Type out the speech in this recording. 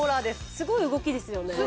すごい動きですよね